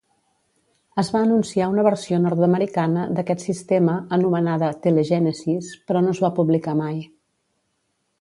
Es va anunciar una versió nord-americana d'aquest sistema, anomenada "Tele-Genesis", però no es va publicar mai.